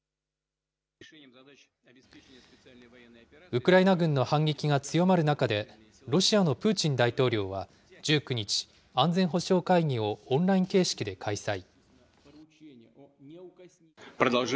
ウクライナ軍の反撃が強まる中で、ロシアのプーチン大統領は１９日、安全保障会議をオンライン形式で開催。